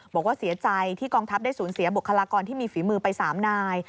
บอกว่าเสียใจที่กองทัพได้สูญเสียบุคลากรที่มีฝีมือไป๓นาย